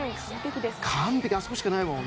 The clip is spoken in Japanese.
完璧、あそこしかないもん。